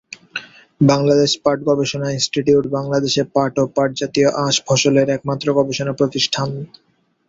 বাংলাদেশ পাট গবেষণা ইনস্টিটিউট বাংলাদেশে পাট ও পাট জাতীয় আঁশ ফসলের একমাত্র গবেষণা প্রতিষ্ঠান।